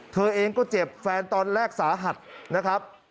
เธอเองก็เจ็บแฟนตอนแรกสาหัสนะครับ